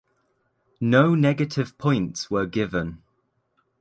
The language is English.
No negative points were given.